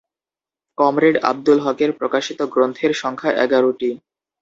Comrade Abdul হকের প্রকাশিত গ্রন্থের সংখ্যা এগারটি।